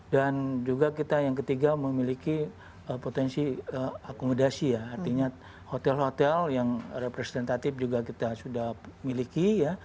dan juga kita yang ketiga memiliki potensi akomodasi ya artinya hotel hotel yang representatif juga kita sudah miliki ya